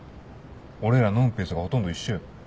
俺ら飲むペースがほとんど一緒よ。